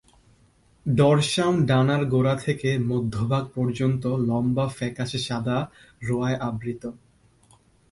Dorsum ডানার গোড়া থেকে মধ্যভাগ পর্যন্ত লম্বা ফ্যাকাশে সাদা রোঁয়ায় আবৃত।